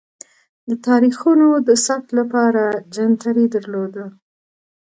د تاریخونو د ثبت لپاره جنتري درلوده.